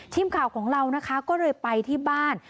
ทีมข่าวของเรานะคะก็เลยไปที่บ้าน